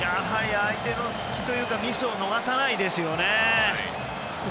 相手の隙というかミスを逃さないですよね。